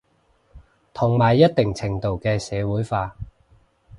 同埋一定程度嘅社會化